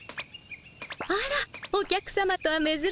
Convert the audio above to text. あらお客さまとはめずらしい。